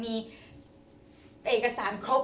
มีเอกสารครบ